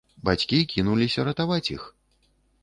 Бацькі кінуліся ратаваць іх.